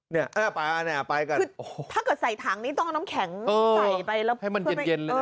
เนี่ยไปกันคือถ้าเกิดใส่ถังนี้ต้องเอาน้ำแข็งใส่ไปแล้วให้มันเย็นเลยนะ